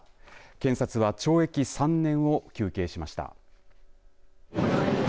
検察は懲役３年を求刑しました。